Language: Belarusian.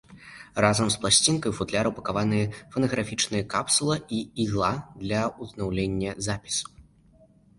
Разам з пласцінкай у футляр упакаваныя фанаграфічная капсула і ігла для ўзнаўлення запісу.